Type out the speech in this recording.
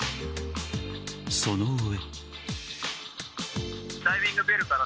その上。